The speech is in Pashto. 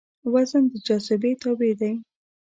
وزن د جاذبې تابع دی.